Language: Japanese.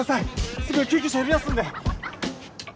すぐ救急車呼びますんで！